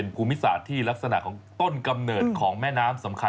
ถูกต้องค่ะเก่งมาก